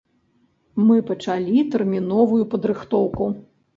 Мы пачалі тэрміновую падрыхтоўку.